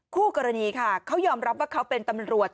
คู่กรณีค่ะเขายอมรับว่าเขาเป็นตำรวจ